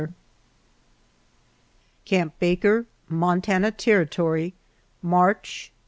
CAMP BAKER, MONTANA TERRITORY, March, 1878.